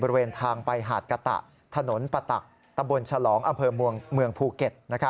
บริเวณทางไปหาดกะตะถนนปะตักตำบลฉลองอำเภอเมืองภูเก็ต